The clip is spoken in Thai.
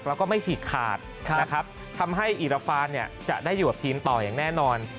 แล้วก็ไม่ฉีกขาดนะครับทำให้อิราฟานจะได้อยู่กับทีมต่ออย่างแน่นอน